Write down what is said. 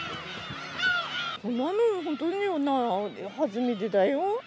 こんなの、本当に初めてだよ。